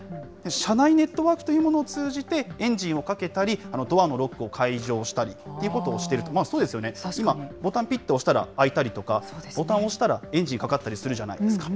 車内ネットワークというものを通じて、エンジンをかけたり、ドアのロックを開錠したりということをしてると、まあ、そうですよね、今、ボタンぴっと押したら、開いたりとか、ボタン押したらエンジンかかったりするじゃないですか。